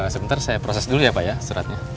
sebentar saya proses dulu ya pak ya suratnya